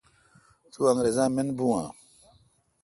تو انگرزا من بھو اؘ?۔